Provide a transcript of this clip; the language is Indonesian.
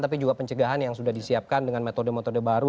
tapi juga pencegahan yang sudah disiapkan dengan metode metode baru